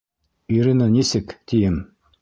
Ирина нисек, тием?